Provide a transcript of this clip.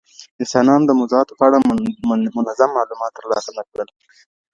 انسانانو د موضوعاتو په اړه منظم معلومات ترلاسه نه کړل.